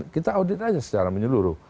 kita audit aja secara menyeluruh